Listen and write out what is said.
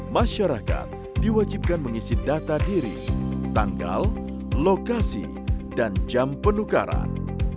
masyarakat diwajibkan mengisi data diri tanggal lokasi dan jam penukaran